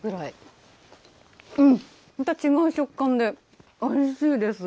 また違う食感で、おいしいです。